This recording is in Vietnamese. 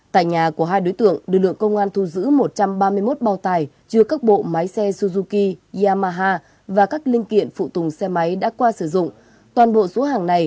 tại nhà của hai đối tượng đội lượng công an thu giữ một trăm ba mươi một bao tài chứa các bộ máy xe suzuki yamaha và các linh kiện phụ tùng xe máy đã qua sử dụng